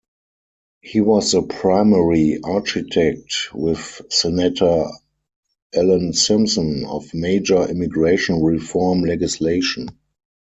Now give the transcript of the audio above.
He was the primary architect, with Senator Alan Simpson, of major immigration reform legislation.